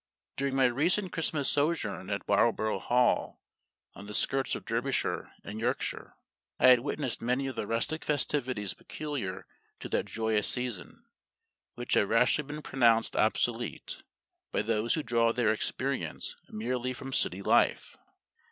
During my recent Christmas sojourn at Barlboro' Hall, on the skirts of Derbyshire and Yorkshire, I had witnessed many of the rustic festivities peculiar to that joyous season, which have rashly been pronounced obsolete, by those who draw their experience merely from city life.